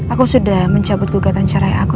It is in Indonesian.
aku sudah mencabut gugatan cerai aku